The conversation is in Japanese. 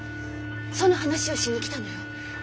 その話をしに来たのよ。